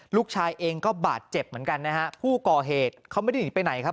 ลูกชายเองก็บาดเจ็บเหมือนกันนะฮะผู้ก่อเหตุเขาไม่ได้หนีไปไหนครับ